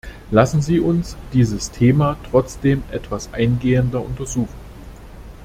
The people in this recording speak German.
Lassen Sie uns dieses Thema trotzdem etwas eingehender untersuchen.